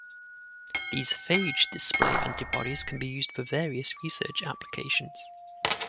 These phage display antibodies can be used for various research applications.